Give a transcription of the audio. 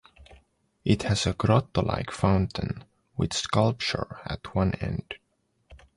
It has a grotto-like fountain with sculpture at one end.